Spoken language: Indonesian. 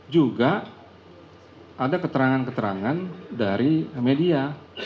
juga ada keterangan keterangan dari media